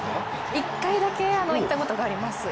１回だけ行ったことがあります。